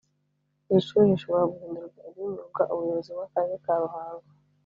Iri shuri rishobora guhindurwa iry’imyugaUbuyobozi bw’akarere ka Ruhango